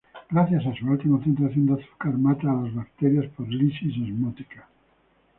Gracias a su alta concentración de azúcar, mata a las bacterias por lisis osmótica.